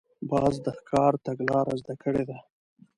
باز د ښکار تګلاره زده کړې ده